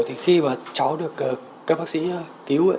thì khi mà cháu được các bác sĩ cứu